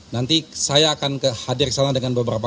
nanti saya akan hadir ke sana dengan beberapa